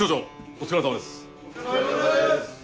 お疲れさまです！